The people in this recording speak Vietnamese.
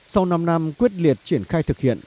sau năm năm quyết liệt triển khai thực hiện